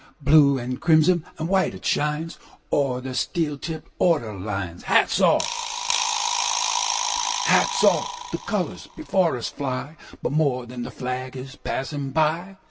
Blue and crimson and white it shines, Over the steel tipped, ordered lines. Hats off! The colors before us fly; But more than the flag is passing by.